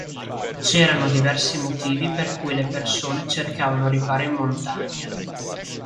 C'erano diversi motivi per cui le persone cercavano riparo in montagna.